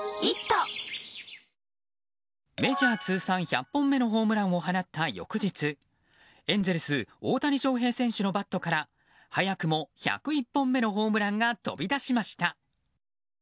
メジャー通算１００本目のホームランを放った翌日、エンゼルス大谷翔平選手のバットから早くも１０１本目のホームランが飛び出しました。